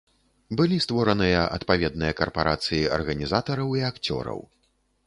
Былі створаныя адпаведныя карпарацыі арганізатараў і акцёраў.